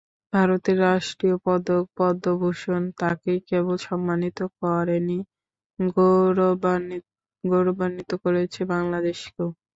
ভারতের রাষ্ট্রীয় পদক পদ্মভূষণ তাঁকেই কেবল সম্মানিত করেনি, গৌরবান্বিত করেছে বাংলাদেশকেও।